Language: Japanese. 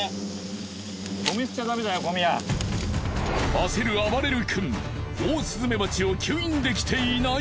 焦るあばれるくんオオスズメバチを吸引できていない。